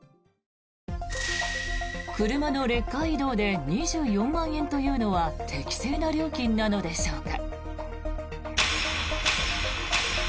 車のレッカー移動で２４万円というのは適正な料金なのでしょうか。